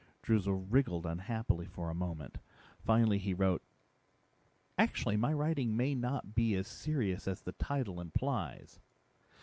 Droozle wriggled unhappily for a moment. Finally he wrote, "Actually my writing may not be as serious as the title implies.